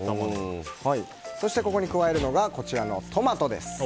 そしてここに加えるのがトマトです。